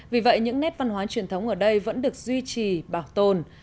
vì vậy những nét văn hóa truyền thống ở đây vẫn được duy trì bảo tồn